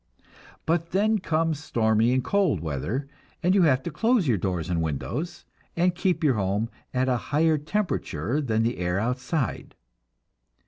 But then comes stormy and cold weather, and you have to close your doors and windows, and keep your home at a higher temperature than the air outside.